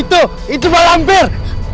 itu itu mahalampir